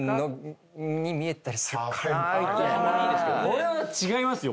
これは違いますよ